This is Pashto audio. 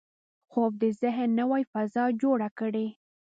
خوب د ذهن نوې فضا جوړه کړي